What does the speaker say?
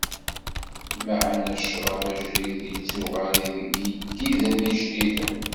Lameɛna ccṛab ajdid ittuɣal deg iyeddiden ijdiden.